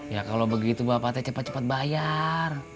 ya kalau begitu bapak teh cepat cepat bayar